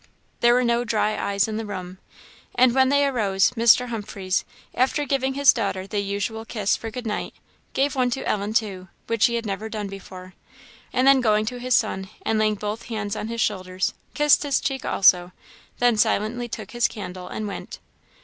There were no dry eyes in the room. And when they arose, Mr. Humpreys, after giving his daughter the usual kiss for good night, gave one to Ellen too, which he had never done before, and then going to his son, and laying both hands on his shoulders, kissed his cheek also; then silently took his candle and went.